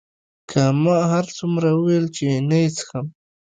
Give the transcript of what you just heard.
که ما هرڅومره وویل چې نه یې څښم.